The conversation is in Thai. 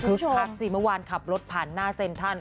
คลึกคลักสิเมื่อวานขับรถผ่านหน้าเซ็นทัน